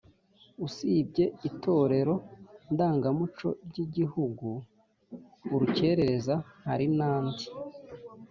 usibye itorero ndangamuco ry’igihugu «urukerereza» hari n’andi